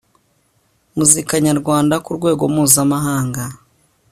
muzika nyarwanda ku rwego mpuzamahanga